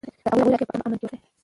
د هغوی راتلونکی په امن کې وساتئ.